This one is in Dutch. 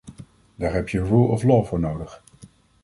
Daar heb je rule of law voor nodig.